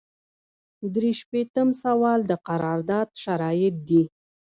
درې شپیتم سوال د قرارداد شرایط دي.